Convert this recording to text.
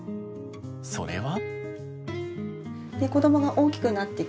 それは？